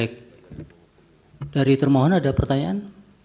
baik dari termohon ada pertanyaan